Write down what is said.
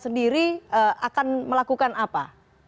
sendiri akan melakukan apa